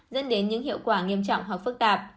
dẫn đến những hiệu quả nghiêm trọng hoặc phức tạp